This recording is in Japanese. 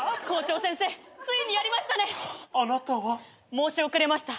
申し遅れました